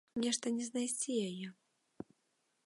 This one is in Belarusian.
Нешта не знайсці яе.